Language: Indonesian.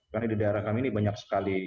karena di daerah kami ini banyak sekali